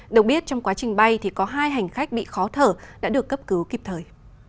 đồng biết trong quá trình bay có hai hành khách bị khó thở đã được cấp cứu kịp thời